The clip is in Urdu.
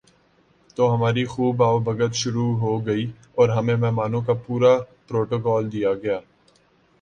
تو ہماری خوب آؤ بھگت شروع ہو گئی اور ہمیں مہمانوں کا پورا پروٹوکول دیا گیا ۔